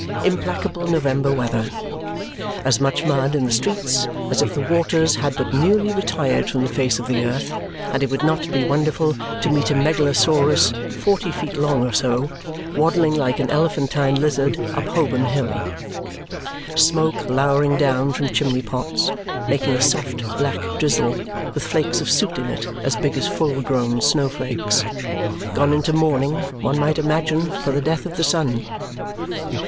Implacable November weather. As much mud in the streets as if the waters had but newly retired from the face of the earth, and it would not be wonderful to meet a Megalosaurus, forty feet long or so, waddling like an elephantine lizard up Holborn Hill. Smoke lowering down from chimney pots, making a soft black drizzle, with flakes of soot in it as big as full grown snowflakes gone into mourning, one might imagine, for the death of the sun.